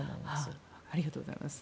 ありがとうございます。